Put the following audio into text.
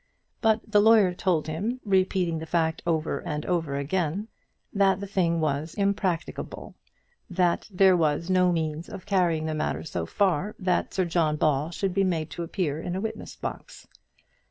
But the lawyer told him, repeating the fact over and over again, that the thing was impracticable; that there was no means of carrying the matter so far that Sir John Ball should be made to appear in a witness box.